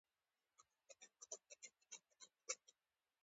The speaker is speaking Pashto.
د نجونو تعلیم د ځنګلونو په ساتنه کې مرسته کوي.